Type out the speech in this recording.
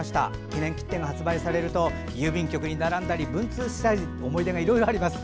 記念切手が発売されると郵便局に並んだり文通したり思い出がいろいろあります。